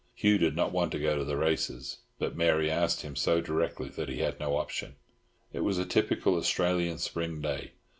Hugh did not want to go to the races, but Mary asked him so directly that he had no option. It was a typical Australian Spring day.